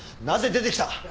なぜ出てきた？